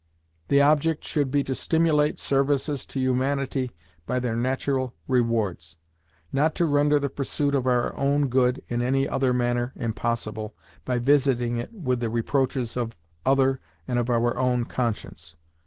The object should be to stimulate services to humanity by their natural rewards; not to render the pursuit of our own good in any other manner impossible, by visiting it with the reproaches of other and of our own conscience.